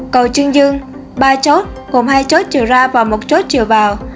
cầu trương dương ba chốt gồm hai chốt chiều ra và một chốt chiều vào